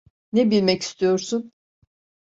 Ne bilmek istiyorsun?